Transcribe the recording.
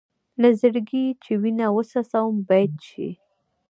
له زړګي چې وینه وڅڅوم بیت شي.